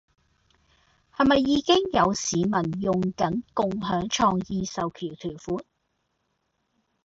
係咪已經有市民用緊共享創意授權條款？